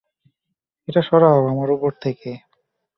এটা সরাও আমার ওপর থেকে।